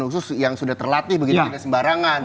usus yang sudah terlatih begitu begitu sembarangan